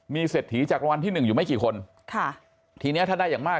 เศรษฐีจากรางวัลที่หนึ่งอยู่ไม่กี่คนค่ะทีเนี้ยถ้าได้อย่างมาก